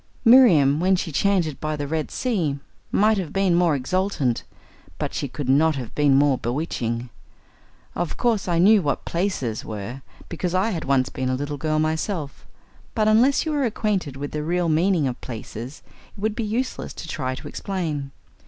Miriam, when she chanted by the Red Sea might have been more exultant, but she could not have been more bewitching. Of course I knew what "places" were, because I had once been a little girl myself, but unless you are acquainted with the real meaning of "places," it would be useless to try to explain.